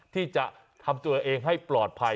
ที่จะทำตัวเองให้ปลอดภัย